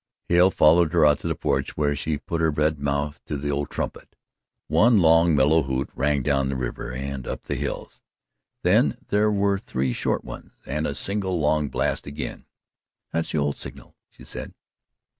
Hale followed her out to the porch where she put her red mouth to the old trumpet. One long, mellow hoot rang down the river and up the hills. Then there were three short ones and a single long blast again. "That's the old signal," she said.